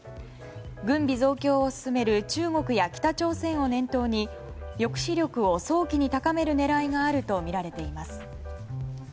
軍備増強を進める中国や北朝鮮を念頭に抑止力を早期に高める狙いがあるとみられています。